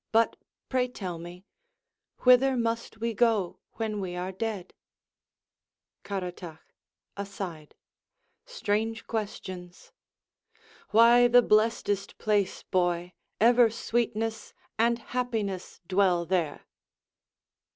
But pray tell me, Whither must we go when we are dead? Caratach [aside] Strange questions! Why, the blessed'st place, boy! ever sweetness And happiness dwell there.